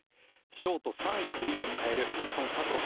ショート３位でフリーを迎える日本佐藤駿。